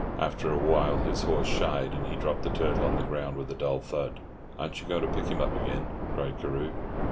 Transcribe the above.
After a while his horse shied, and he dropped the turtle on the ground with a dull thud. "Aren't you going to pick him up again?" cried Carew.